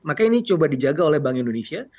makanya ini coba dijaga oleh bank indonesia